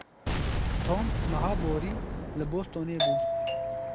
Tom meha borî li Bostonê bû.